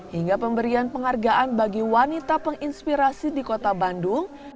hingga pemberian penghargaan bagi wanita penginspirasi di kota bandung